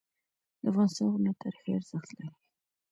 د افغانستان غرونه تاریخي ارزښت لري.